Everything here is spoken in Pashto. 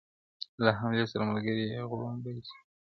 له حملې سره ملگری یې غړومبی سو-